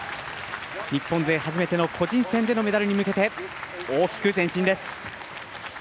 日本勢初めての個人戦でのメダルに向けて大きく前進です。